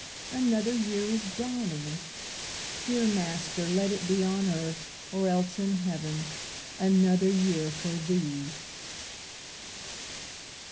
Another year is dawning! Dear Master, let it be On earth, or else in heaven, Another year for Thee!